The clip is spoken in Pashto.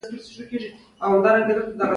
ـ غل په غل پوهېږي.